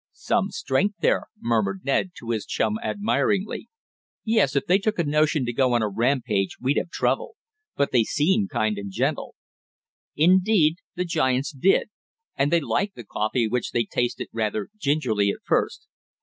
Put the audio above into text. "Some strength there," murmured Ned to his chum admiringly. "Yes, if they took a notion to go on a rampage we'd have trouble. But they seem kind and gentle." Indeed the giants did, and they liked the coffee which they tasted rather gingerly at first.